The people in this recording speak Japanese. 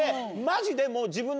マジで。